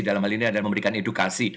dalam hal ini adalah memberikan edukasi